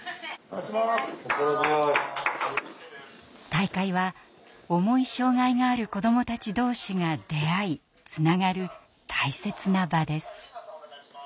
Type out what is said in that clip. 大会は重い障害がある子どもたち同士が出会いつながる大切な場です。